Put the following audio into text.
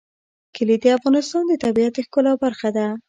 کلي د افغانستان د طبیعت د ښکلا برخه ده.